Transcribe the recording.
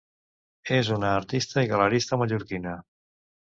És una artista i galerista mallorquina.